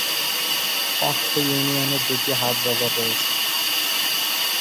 অত্র ইউনিয়নে দুটি হাটবাজার রয়েছে।